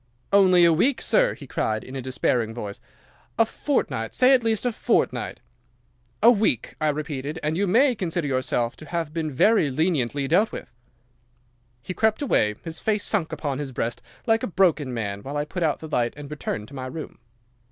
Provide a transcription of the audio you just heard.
"'"Only a week, sir?" he cried, in a despairing voice. "A fortnight—say at least a fortnight!" "'"A week," I repeated, "and you may consider yourself to have been very leniently dealt with." "'He crept away, his face sunk upon his breast, like a broken man, while I put out the light and returned to my room.